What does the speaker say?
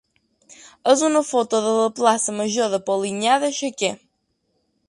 és una foto de la plaça major de Polinyà de Xúquer.